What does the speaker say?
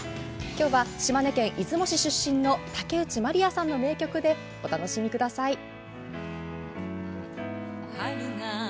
今日は島根県出雲市出身の竹内まりやさんの名曲でお楽しみください。